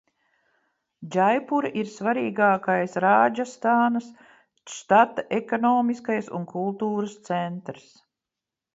Džaipura ir svarīgākais Rādžastānas štata ekonomiskais un kultūras centrs.